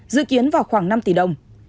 dự kiến vào khoảng năm tỷ đồng